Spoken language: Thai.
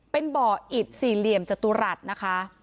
เป็นบ่ออิดสี่เหลี่ยมจตุรัสนะคะ